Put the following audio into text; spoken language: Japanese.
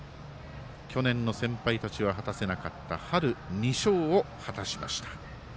去年の先輩たちは果たせなかった春２勝を果たしました。